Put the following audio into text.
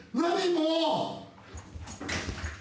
もう！